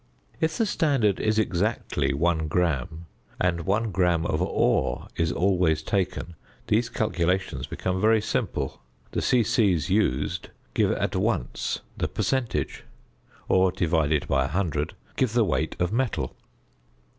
If the standard is exactly 1 gram, and 1 gram of ore is always taken, these calculations become very simple. The "c.c." used give at once the percentage, or divided by 100 give the weight of metal.